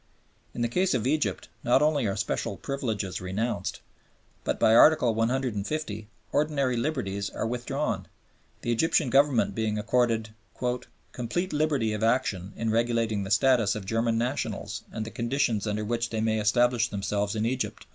In the case of Egypt not only are special privileges renounced, but by Article 150 ordinary liberties are withdrawn, the Egyptian Government being accorded "complete liberty of action in regulating the status of German nationals and the conditions under which they may establish themselves in Egypt."